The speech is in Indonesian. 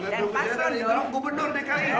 dan pasangnya grup gubernur dki